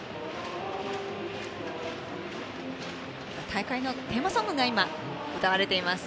大会のテーマソングが今、歌われています。